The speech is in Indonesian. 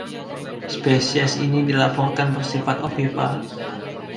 Spesies ini dilaporkan bersifat ovipar.